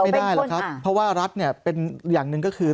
ได้แรกแล้วค่ะเพราะว่ารัฐเนี่ยเป็นอย่างนึงก็คือ